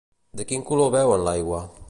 De quin color veuen l'aigua?